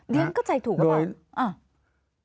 เดี๋ยนก็ตัยถูกกันบอก